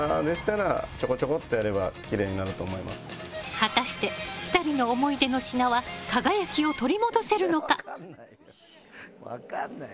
果たして、２人の思い出の品は輝きを取り戻せるのか。